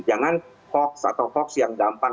jangan hoax atau hoax yang gampang